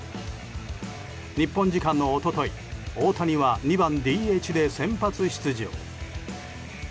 日本時間の一昨日、大谷は２番ＤＨで先発出場。